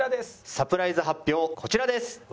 サプライズ発表こちらです。